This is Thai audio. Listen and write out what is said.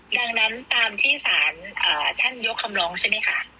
ดังนั้นตามที่สารท่านยกคำร้องใช่ไหมคะ